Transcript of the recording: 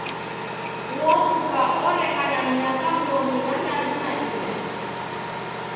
Uo mka oreka na miaka mrongo irandadu na inya.